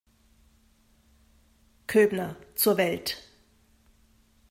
Köbner, zur Welt.